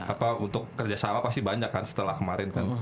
apa untuk kerjasama pasti banyak kan setelah kemarin kan